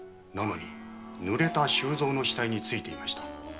なのに濡れた周蔵の死体についていました。